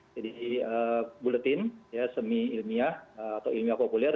jadi bulletin semi ilmiah atau ilmiah populer